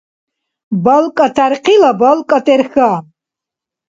БалкӀа тӀярхъила балкӀа тӀерхьа.